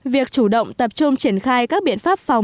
việc chủ động tập trung triển khai các biện pháp phòng